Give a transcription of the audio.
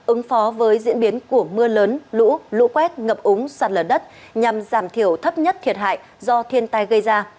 ứng phó với diễn biến của mưa lớn lũ lũ quét ngập úng sạt lở đất nhằm giảm thiểu thấp nhất thiệt hại do thiên tai gây ra